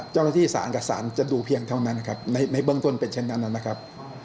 สารกับสารจะดูเพียงเท่านั้นนะครับในเบื้องต้นเป็นเช่นนั้นนะครับ